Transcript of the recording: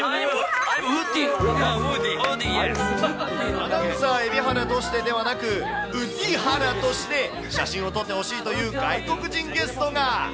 アナウンサー蛯原としてではなく、ウディ原として写真を撮ってほしいという外国人ゲストが。